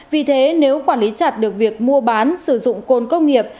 vì thế nếu quản lý chặt được việc mua bán sử dụng côn công nghiệp